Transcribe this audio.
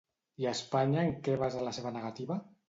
I Espanya en què basa la seva negativa?